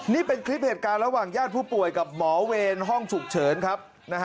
นี่เป็นคลิปเหตุการณ์ระหว่างญาติผู้ป่วยกับหมอเวรห้องฉุกเฉินครับ